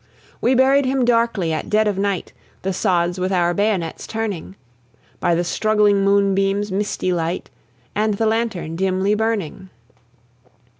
We buried him darkly at dead of night, The sods with our bayonets turning; By the struggling moonbeam's misty light, And the lantern dimly burning.